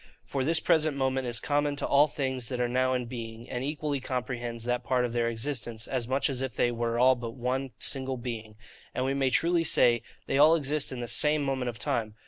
For this present moment is common to all things that are now in being, and equally comprehends that part of their existence, as much as if they were all but one single being; and we may truly say, they all exist in the SAME moment of time.